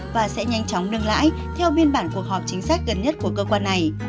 và sẽ nhanh chóng nâng lãi theo biên bản cuộc họp chính sách gần nhất của cơ quan này